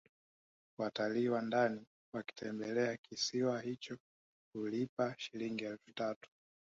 Watalii wa ndani wakitembelea kisiwa hicho hulipa Shilingi elfu tatu